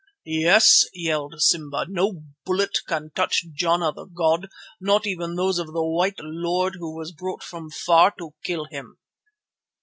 "Yes," yelled Simba, "no bullet can touch Jana the god, not even those of the white lord who was brought from far to kill him."